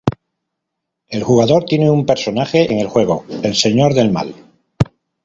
El jugador tiene un personaje en el juego, el Señor del Mal.